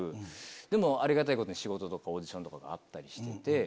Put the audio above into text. でもありがたいことに仕事とかオーディションとかあったりして。